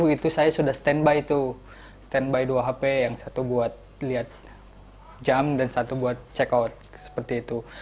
itu saya sudah standby tuh standby dua hp yang satu buat lihat jam dan satu buat check out seperti itu